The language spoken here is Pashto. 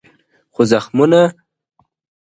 خو ذهنونه زخمي پاتې وي ډېر,